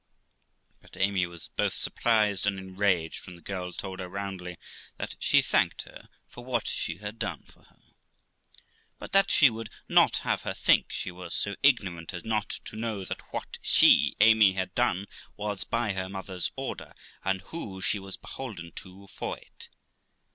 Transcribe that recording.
But Amy was both surprised and enraged when the girl told her roundly that she thanked her for what she had done for her, but that she would not have her think she was so ignorant as not to know that what she (Amy) had done was by her mother's order, and who she was beholden to for it.